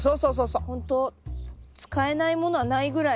何かほんと使えないものはないぐらい。